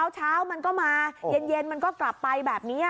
เช้ามันก็มาเย็นมันก็กลับไปแบบนี้